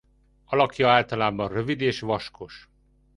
Alakja általában rövid és vaskos.